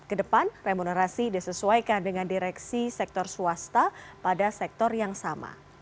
kedepan remunerasi disesuaikan dengan direksi sektor swasta pada sektor yang sama